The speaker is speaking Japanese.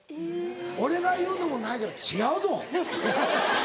俺が言うのも何やけど違うぞ！